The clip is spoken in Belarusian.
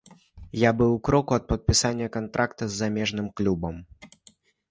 Я быў у кроку ад падпісання кантракта з замежным клубам.